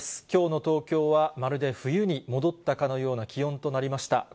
きょうの東京はまるで冬に戻ったかのような気温となりました。